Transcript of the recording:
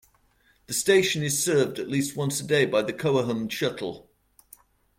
The station is served at least once a day by the Koaham Shuttle.